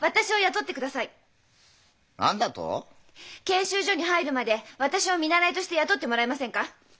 研修所に入るまで私を見習いとして雇ってもらえませんか？